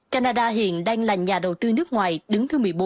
canada hiện đang là nhà đầu tư nước ngoài đứng thứ một mươi bốn